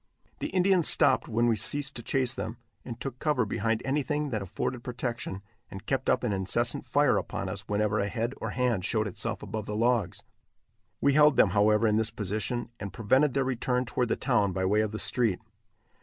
The Indians stopped when we ceased to chase them, and took cover behind anything that afforded protection, and kept up an incessant fire upon us whenever a head or hand showed itself above the logs. We held them, however, in this position, and prevented their return toward the town by way of the street.